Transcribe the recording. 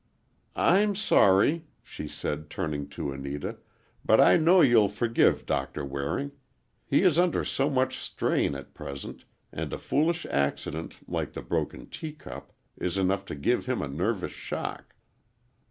"I'm sorry," she said, turning to Anita, "but I know you'll forgive Doctor Waring. He is under so much strain at present, and a foolish accident, like the broken teacup, is enough to give him a nervous shock."